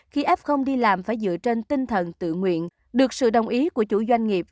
khi f đi làm phải dựa trên tinh thần tự nguyện được sự đồng ý của chủ doanh nghiệp